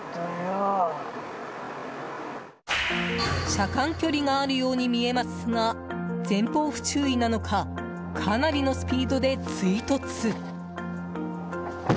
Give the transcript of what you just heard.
車間距離があるように見えますが前方不注意なのかかなりのスピードで追突。